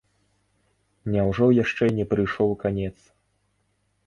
Няўжо яшчэ не прыйшоў канец?